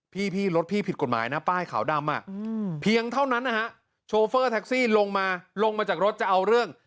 พี่รถพี่ผิดกฎหมายนะป้ายขาวดำเพียงเท่านั้นนะฮะโชเฟอร์แท็กซี่ลงมาลงมาจากรถจะเอาเรื่อง